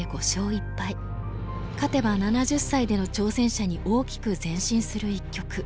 勝てば７０歳での挑戦者に大きく前進する一局。